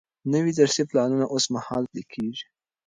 نوي درسي پلانونه اوس مهال پلي کیږي.